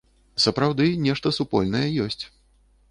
Сапраўды, нешта супольнае ёсць.